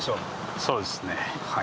そうですねはい。